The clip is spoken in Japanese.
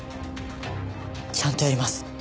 ちゃんとやります。